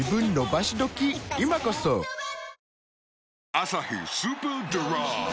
「アサヒスーパードライ」